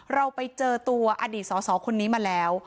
เราไปเจอตัวอดีตสอสอคนนี้มาแล้ว